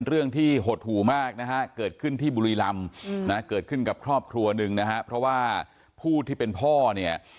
เรื่องที่หดหู่มากนะฮะเกิดขึ้นที่บุรีรำนะเกิดขึ้นกับครอบครัวหนึ่งนะฮะเพราะว่าผู้ที่เป็นพ่อเนี่ย